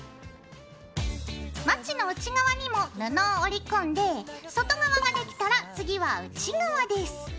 まちの内側にも布を折り込んで外側ができたら次は内側です。